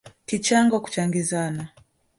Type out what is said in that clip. Kichango kuchangizana